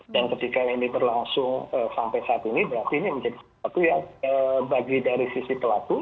dan ketika ini terlangsung sampai saat ini berarti ini menjadi satu yang bagi dari sisi pelaku